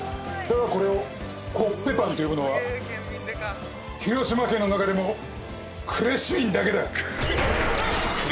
だがこれをコッペパンと呼ぶのは広島県の中でも呉市民だけだ。